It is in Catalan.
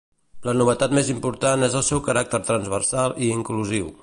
La novetat més important és el seu caràcter transversal i inclusiu.